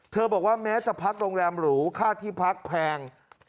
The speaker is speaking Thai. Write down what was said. บอกว่าแม้จะพักโรงแรมหรูค่าที่พักแพง